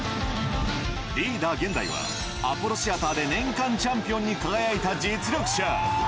リーダー、ゲンダイは、アポロ・シアターで年間チャンピオンに輝いた実力者。